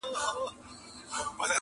زه کرمه سره ګلاب ازغي هم را زرغونه سي،